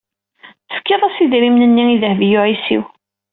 Tefkid-as idrimen-nni i Dehbiya u Ɛisiw.